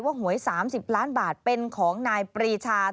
หวย๓๐ล้านบาทเป็นของนายปรีชา